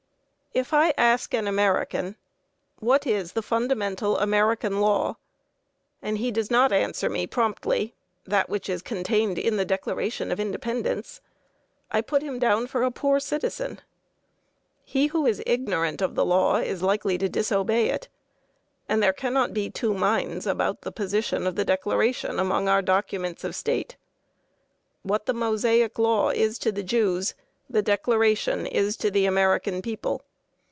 If I ask an American what is the fundamental American law, and he does not answer me promptly, "That which is contained in the Declaration of Independence," I put him down for a poor citizen. He who is ignorant of the law is likely to disobey it. And there cannot be two minds about the position of the Declaration among our documents of state. What the Mosaic Law is to the Jews, the Declaration is to the American people.